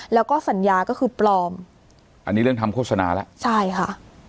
แล้วก็สัญญาก็คือปลอมอันนี้เรื่องทำโฆษณาแล้วใช่ค่ะ